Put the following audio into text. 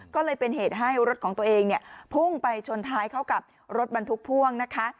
ก็เลยเป็นเหตุให้รถของตัวเองเนี่ยพุ่งไปชนท้ายเข้ากับรถบรรทุกพ่วงนะคะ